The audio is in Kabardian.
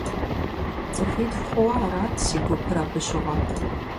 ЦӀыхуитху хъууэ арат си гупыр абы щыгъуэ.